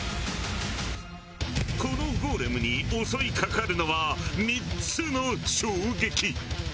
このゴーレムに襲いかかるのは３つの衝撃！